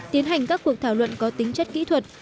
tiến hành các cuộc thảo luận có tính chất kỹ thuật